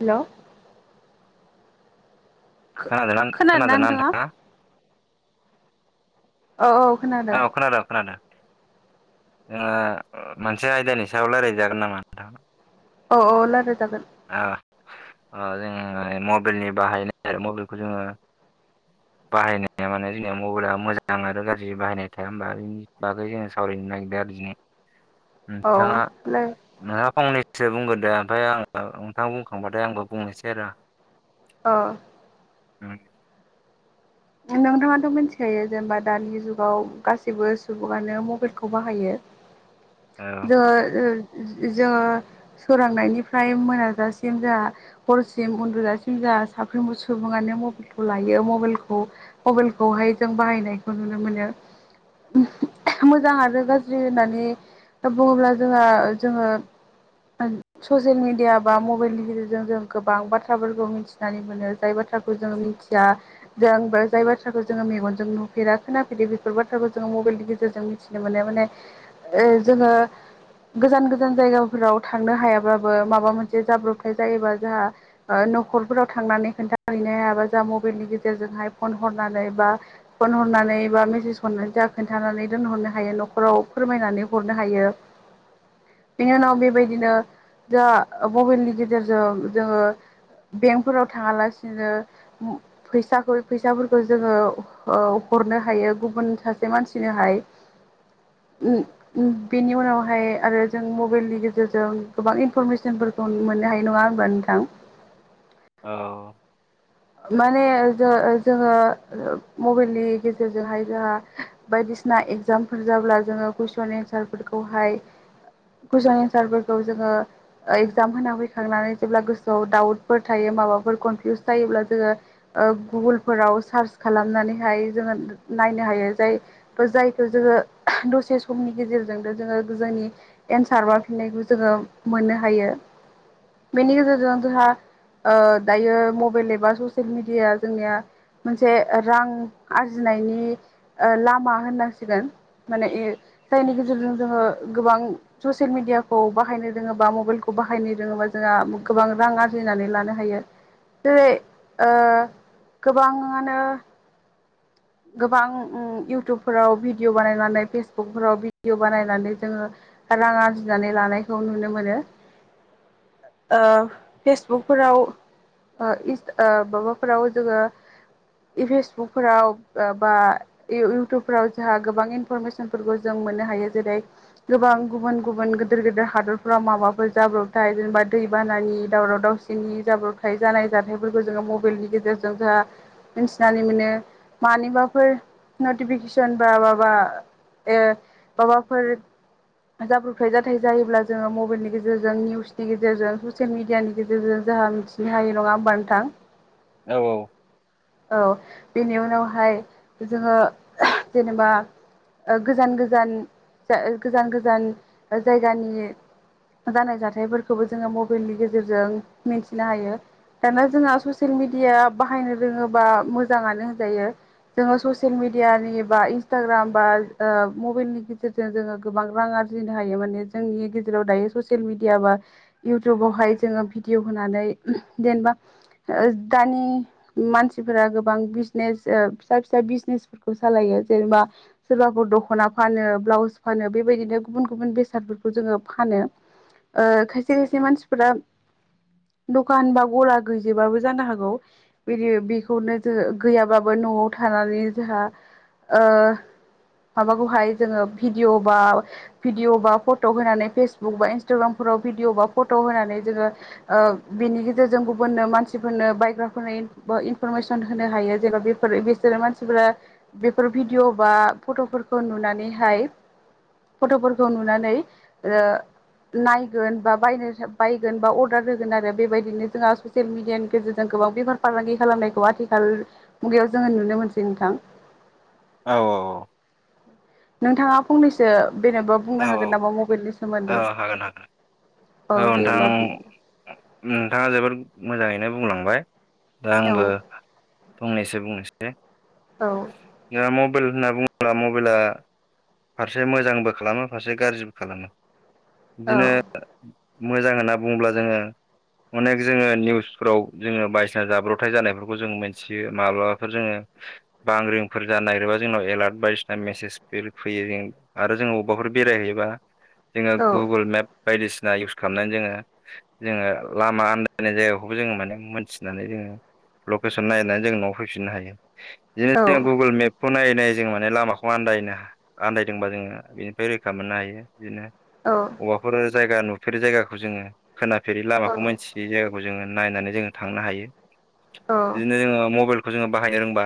Hello खोनादोंना खोनादोंना नोंथाङा औ खोनादों औ खोनादों खोनादों ओ मोनसे आयदानि सायाव रायलायजागोन नामा नोंथां अ अ लायराय जागोन ओ ओ जोङो मबाइलनि बाहायनाय मबाइलखौ जोंङो बाहायनाया माने जोंनिया मबाइला मोजां आरो गाज्रि बाहायनाय थाया होमबा बेनि बागै जोंङो सावरायनो नागिरदों आरो औ नोंथाङा नोंहा फंनै गोसो बुंगोदो ओमफ्राय आं नोंथां बुंखांबाथाय आंबो बुंनोसै आरो अ [unintelligible] नोंथाङाथ' मिथिखायो जेनेबा दानि जुगाव गासैबो सुबुङानो मबाइलखौ बाहायो [unintelligible] द ओ जोंङो सोरांनायनिफ्राय मोनाजासिम जा हरसिम उन्दुजासिम जा दा साफ्रोमबो सुबुंङानो मबाइलखौ लायो मबाइल खौ खौ मबाइलखौहाय जों बाहायनायखौ नुनो मोनो मोजां आरो गाज्रि होननानै बुंङोब्ला जोंहा जोंङो ससियेल मिडिया बा मबाइलनि गेजेरजों जों गोबां बाथ्राफोरखौ मिथिनानै मोनो जाय बाथ्रा ब्राखौ जों मिथिया जों जाय बाथ्राखौ जोंङो मेगनजों नुफेरा खोनाफेरो बेफोर बाथ्राखौ जोंङो मबाइलनि गेजेरजों मिथिनो मोननाय मोनोन ओ जोंङो गोजान गोजान जायगाफोराव थांनो हायाब्लाबो माबा मोनसे जाब्रबथाय जायोबा जोंहा नखरफोराव थांनानै खोन्थाहैनो हाबा जा मबाइलनि गेजेरजों फ हनानै बा फन हरनानैा मेसेज हरनानै खोन्थानानै दोनरनो हायो नखराव फोरमायनानै हरनो हायो [unintelligible] बेनि उनाव बेबायदिनो जा मबाइलनि गेजेरजों जोंङो बेंकफोराव थाङांलासिनो फैसाखौ फैसाफोरखौ जोंङो ओ हरनो हायो गुबुन सासे मानसिनोहाय ओम ओम बेनि उनावहाय आरो जों मबाइलनि गेजेरजों गोबां इनफरमेसनफोर मोननो हायो नङा होनोमबा नोंथां औ माने जो जोंङो मबाइलनि गेजेरजोंहाय जोंहा बायदिसिना एगजामफोर जाब्ला जोंङो कुइसन एन्सारफोरखौहाय कुइसन एन्सारफोरखौ जोंङो इगजाम होना फैखांनानै जेब्ला गोसोआव दाउटफोर थायो माबाफोर कनफिउस जायोब्ला जोङो ओ गुगोल फोराव सार्च खालामनानैहाय जोङो नायनो हायो जाय। जायखौ जोङो दसे समनि गेजेरजोंनो जोङो जोंनि एन्सार बा फिननायखौ जोङो मोननो हायो बेनि गेजेरजों जोंहा ओ दायो मबाइल एबा ससियेल मिडिया जोंनिया मोनसे रां आरजिनायनि ओ लामा होननांसिगोन माने जायनि गेजेरजों जोङो गोबां ससियेल मिडियाखौ बाहायनो रोङोबा मबाइलखौ बाहायनो रोङोबा जोंहा गोबां रां आरजिनानै लानो हायो जेरै ओ गोबाङानो गोबां उम इउटुबफोराव भिडिअ' बानायनानै फेसबुकफोराव भिडिअ' बानायनानै जोङो रां आरजिनानै लानायखौ नुनो मोनो [inaudible] ओ फेसबुकफोराव ओ इन्स ओ माबाफोराव जोङो इफेसबुकफोराव ओ बा इउटुबफोराव जोंहा गोबां इनफरमेसनफोरखौ जों मोननो हायो जेरै गोबां गोबां गुबुन गुबुन गोदोर गोदोर हादरफ्राव माबाफोर जाब्रबथाय जेनेबा दैबानानि दावराव दावसिनि जाब्रबथाय जानाय जाथायफोरखौ जोङो मबाइलनि गेजेरजों जोंहा मिथिनानै मोनो मानिबाफोर नटिफिकेसन बा माबा ए माबाफोर जाब्रबथाय जाथाय जायोब्ला जोङो मबाइलनि गेजेरजों निउसनि गेजेरजों ससियेल मिडियानि गेजेरजों जाहा मिथिनो हायो नङा होनबा नोथां औ औ बेनि उनाव हाय जोङो जेनेबा ओ गोजान गोजान गोजान गोजान जायगानि जानाय जाथायफोरखौबो जोङो मबाइलनि गेजेरजों मिथिनो हायो दाना जोंहा ससियेल मिडिया बाहायनो रोङोबा मोजाङानो होनजायो जोङो ससियेल मिडियानि बा इन्सटाग्राम बा ओ मबाइलनि गेजेरजों जोङो गोबां रां आरजिनो हायो माने जोंनि गेजेराव दायो ससियेल मिडिया बा इउटुबावहाय जोङो भिडिअ होनानै जेनेबा दानि मानसिफोरा गोबां बिजनेस ओ फिसा फिसा बिजनेसफोरखौ सालायो जेनेबा सोरबाफोर दख'ना फानो ब्लाउस फानो बेबायदिनो गुबुन गुबुन बेसादफोरखौ जोङो फानो ओ खायसे खायसे मानसिफोरा दखान बा गला गैजोबाबो जानो हागौ बिदि बेखौनो जो गैयाबाबो न'आव थानानै जाहा ओ माबाखौहाय जोङो भिडिय' बा भिडिअ' बा फट' होनानै फेसबुक बा इन्सटाग्रामफोर भिडिअ बा फट' होनानै जोङो ओ बेनि गेजेरजों गुबुननो मानसिफोरनो बायग्राफोरनो इनफरमेसन होनो हायो जेब्ला बेफोर जेरै मानसिफोरा बेफोर भिडिय' बा फट'फोरखौ नुनानैहाय फट'फोरखौ नुनानै ओ नायगोन बा बायनो बायगोन बा अर्डार होगोन आरो बेबायदिनो जोंहा ससियेल मिडियानि गेजेरजों गोबां बेफार फालांगि खालामनायखौ आथिखाल मुगायाव जोङो नुनो मोनसै नोंथां औ औ औ नोंथाङा फंनैसो बेनोबो बुंनो हागोन औ नामा मबाइलनि औ सोमोन्दै हागोन हागोन औ दे नोंथां होमबा बुं नोंथाङा जोबोद मोजाङैनो बुंलांबाय दा औ आंबो फंनैसो बुंनोसै औ [unintelligible] मबाइल होनना बुङोब्ला मबाइला फारसे मोजांबो खालामो फारसे गाज्रिबो खालामो औ बिदिनो मोजां होनना बुंङोब्ला जोङो अनेक जोङो निउसफ्राव जोङो बायदिसिना जाब्रबथाय जानायफोरखौ जों मोनथियो माब्लाबाफोर जोङो बांग्रिंफोर जानो नागिरोबा जोंनाव एलार्ट बायदिसिना मेसेजफोर फैयो जों आरो जोंङो अबेबाफोर बेरायहैबा जोंहा औ गुगोल मेप बायदिसिना युस खालामनानै जोङो जोङो लामा आन्दायनाय जायगाखौबो जोङो माने मोनथिनानै जोङो लकेसन नायनानै जों न'आव फैफिननो हायो बिदिनो औ जों गुगोल मेप खौ नायै नायै जों माने लामाखौ आन्दायनो आन्दायदोंबा जोङो बेनिफ्राय रैखा मोननो हायो। बिदिनो औ अबावबाफोर जायगा नुफेरो जायगाखौ जोङो खोनाफेरि लामाखौ मोनथियै जाय जोंङो नायनानै जोंङो थांनो हायो औ बिदिनो जोंङो मबाइल खौ जोङो बाहायनो रोंबा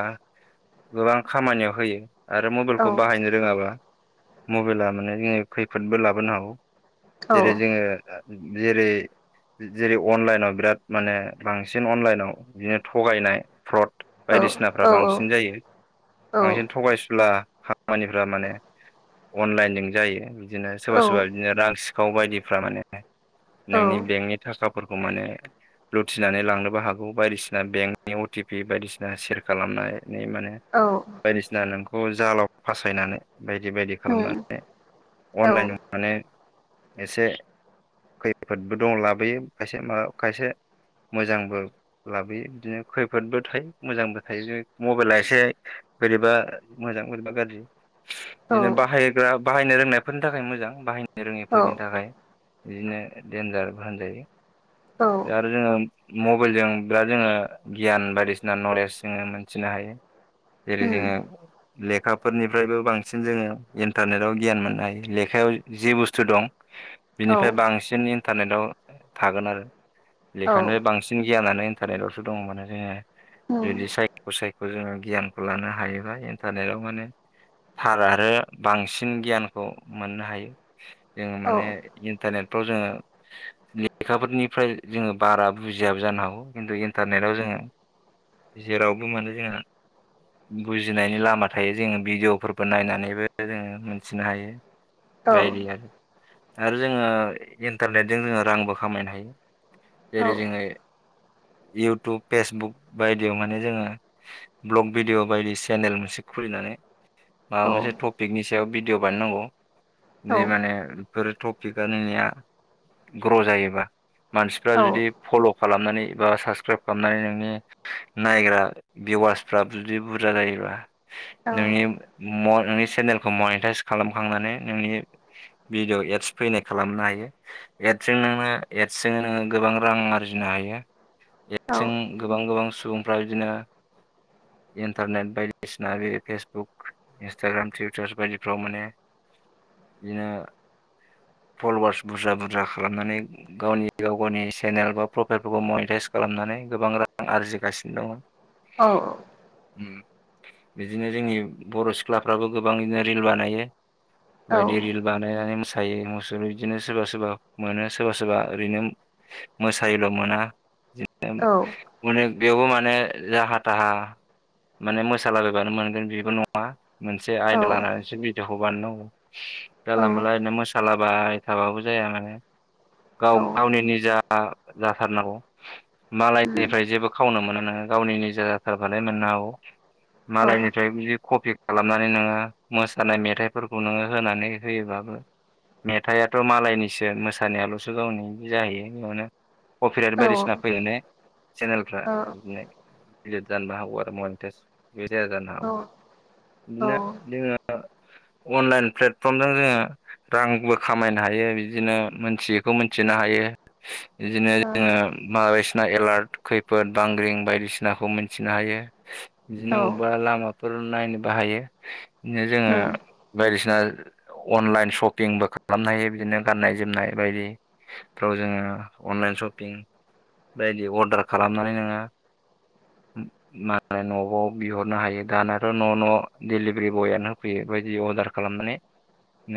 गोबां खामानियाव होयो आरो मबाइलखौ बाहायनो रोङाबा मबाइला माने जोंनो खैफोदबो लाबोनो हागौ। औ। जेरै जोङो जेरै जेरै अनलाइनाव बिराद माने बांसिन अनलाइनाव बिदिनो थगायनाय फ्रड औ बायदिसिनाफ्रा बांसिन जायो बांसिन थगायसुला खामानिफ्रा माने अनलाइनजों जायो बिदिनो सोरबा सोरबा बिदिनो रां सिखाव बायदि फ्रा माने नोंनि बेंकनि थाखाफोरखौ माने लुथिनानै लांनोबो हागौ बायदिसिना बेंकनि अटिपि बायदिसिना सेयार खालामनाय माने बायदिसिना नोंखौ जालाव फासायनानै बायदि बायदि खालामनानै अनलाइन माने एसे खैफोदबो दं लाबोयो खायसे माबा खायसे मोजांबो लाबोयो बिदिनो खैफोदबो थायो मोजांबो थायो जेरै मबाइला एसे बोरैबा मोजां बोरैबा गाज्रि बिदिनो बाहायग्रा बाहायनो रोंनायफोरनि थाखाय मोजां बाहायनो औ रोङैफोरनि थाखाय बिदिनो देनजारबो होनजायो औ औ दा आरो जोङो‌ मबाइलजों बिराद जोङो गियान बायदिसिना नलेज जोङो मोनथिनो हायो जेरै उम जोङो लेखाफोरनिफ्रायबो बांसिन जोङो इन्टारनेटआव गियान मोननो हायो लेखायाव जि बुस्थु दं औ बिनिफ्राय बांसिन इन्टारनेटआव थागोन आरो औ लेखानिफ्राय बांसिन गियानानो सानायलावसो दङ माने जोङो उम बिदि सायख' सायख' बे जोङो गियानखौ लानो हायोबा इन्टारनेटाव माने थार आरो बांसिन गियानखौ मोननो हायो जोङो औ माने इन्टारनेटफ्राव जोङो लेखाफोरनिफ्राय जोङो बारा बुजियाबो जानो हागौ खिन्थु इन्टारने ताव जोङो जेरावबो मोनो जोङो बुजिनायनि लामा थायो जोङो भिडिअबो नायनानैबो जोङो मोनथिनो हायो औ बायदि आरो जोङो इन्टारनेटजों जोङो रांबो खामायनो हायो। औ जेरै जोङो इउटुब फेसबुक बायदियाव माने जोङो ब्लक भिडिअ बायदि सेनेल मोनसे खुलिनानै माबा मोनसे टपिकनि सायाव भिडिय' बानायनांगौ औ जि माने बे टपिक बानायनाया ग्र' जायोबा मानसिफ्रा औ जुदि फल' खालामनानै बा साबसक्राइब खालामनानै नोंनि नायग्रा भिवार्सफ्रा जुदि बुरजा जायोबा उम नोंनि नोंनि चेनेलखौ मनिटाइस खालामखांनानै नोंनि भिडिअ एड्स फैनाय खालामनो हायो एड्सजों नोंना एडसजोंनो नोङो गोबां रां आरजिनो हायो औ [unintelligible] गोबां गोबां सुबुंफ्रा बिदिनो। इन्टारनेट बायदिसिना बे फेसबुक इन्सटाग्राम टुइटार बायदिफ्राव माने बिनो फल'वार्स बुरजा बुरजा खालामनानै गावनि गाव गावनि चेनेल बा प्रफाइलफोरखौ मनिटाइस खालामनानै गोबां रां आरजिगासिनो दङ औ औ। बिदिनो जोंनि बर' सिख्लाफ्राबो गोबाङनो रिल बानायो बायदि रिल बानायनानै मो मोसायो मुसुर बिदिनो सोरबा सोरबा मोनो सोरबा सोरबा ओरैनो मोसायोोल' मोना मने बेयावबो माने जाहा थाहा माने मोसालाबायबानो मोनगोन बेबो नङा मोनसे आयदा लानानैसो बि खौ बानायनांगौ जला मोनला ओरैनो मोसालाबाय थाबाबो जाया माने गाव गावनि निजा जा जाथारनांगौ मालायनिफ्राय जेबो खावनो मोना ङा गावनि निजा जाथारबालाय औ औ मालायनिफ्राय बि कपि खालामनानै नोङो मोसानाय मेथाइफोरखौ नोङो होनानै होयोबाबो मेथाइआथ' मालायनिसो मोसानायाल'सो गावनिदि जाहैयो बेयावनो कपिराइट औ ओ औ उम बायदिसिना फैयो ने चेनेलफ्रा बिदिनोलिट जानोबो हागौ आरो। मनिटाइस बे जानो हागौ बिदिनो औ जोङो अनलाइन प्लेटफर्मजों जोङो रांबो खामायनो हायो बिदिनो मोनथियैखौ मोनथिनो हा हायो बिदिनो जोङो मायसिना एलार्ट खैफोद बांग्रिं बायदिसिनाखौ मोनथिनो हायो। बिदिनो अबेबा लामाफोर नायनो बाहायो बिदिनो जोङो बायदिसिना अनलाइन सशपिंबो खालामनो हायो बिदिनो गाननाय जोमनाय बायदिफ्राव जोङो अनलाइन बायदि सपिं अरडार खालामनानै नोङो माने न' आव बिहरनो हायो दानाथ' न' न' डिलिभारि बयानो होफैयो बेबायदि अर्डार खालामनानै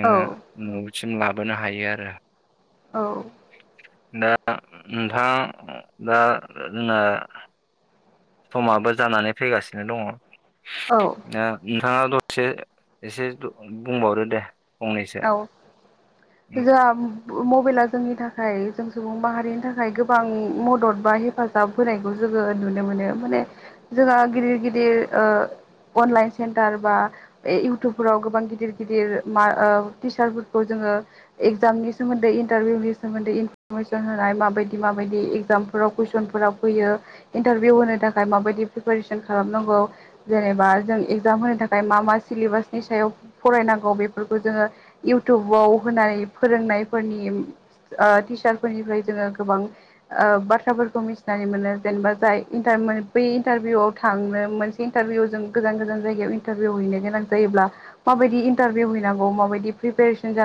नोङो न'सिम लाबोनो हायो आरो। औ दा नोंथाङां दा जोंना समाबो जानानै फैगासिनो दङ नोंथाङा दसे एसे बुंबावदो दे फंनैसो औ उम जोंहा मबाइला जोंनि थाखाय जों सुबुं माहारिनि थाखाय गोबां मदद बा हेफाजाब होनायखौ जोङो नुनो मोनो माने जोंहा गिदिर गिदिर ओ अनलाइन सेन्टार बा इउटुबफोराव गोबां गिदिर गिदिर मा ओ टिचारफोरखौ जोङो इगजामनि सोमोन्दै इन्टारभिउनि सोमोन्दै इनफरमेसन होनाय माबायदि माब बायदि इगजामफोराव कुइसनफोराव फैयो इन्टारभिउ होनो थाखाय माबायदि प्रिपेरेसन खालामनांगौ जेनेबा जों एग्जाम होनो थाखाय मा मा सिलेबासनि सायाव फरायनांगौ बेफोरखौ जोङो इउटुबाव होनानै फोरोंनायफोरनि ओ टिचारफोरनिफ्राय जोङो गोबां बाथ्राफोरखौ मिथिनानै मोनो जेनेबा जाय इन्टार बै इन्टारभिउआव थांनो मोनसे इन्टारभिउआव जों गोजान गोजान जायगायाव इन्टारभिउ हैनो गोनां जायोब्ला माबाय इारभउांग माबायदि प्रिपेरेसन जा